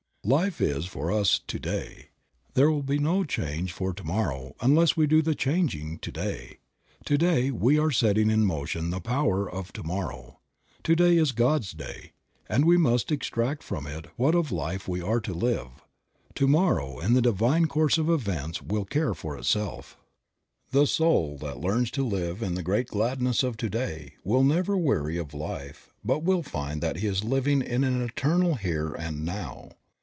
T IFE is for us to day. There will be no change for to morrow unless we do the changing to day. To day we are setting in motion the power of to morrow. To day is God's day, and we must extract from it what of life we are to live. To morrow in the divine course of events will care for itself. The soul that learns to live in the great gladness of to day will never weary of life but will find that he is living in an eternal here and now.